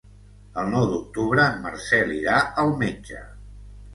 El nou d'octubre en Marcel irà al metge.